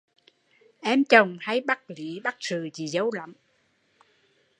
Em chồng hay bắt lý bắt sự chị dâu